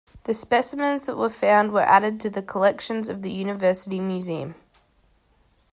The specimens that were found were added to the collections of the University museum.